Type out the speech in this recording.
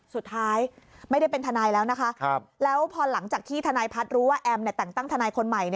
สุดท้ายไม่ได้เป็นทนายแล้วนะคะแล้วพอหลังจากที่ทนายพัฒน์รู้ว่าแอมแต่งตั้งทนายคนใหม่